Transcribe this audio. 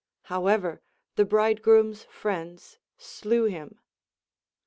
However, the bridegroom's friends slew him.